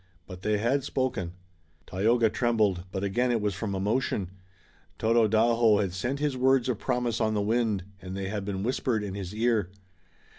But they had spoken. Tayoga trembled, but again it was from emotion. Tododaho had sent his words of promise on the wind, and they had been whispered in his ear.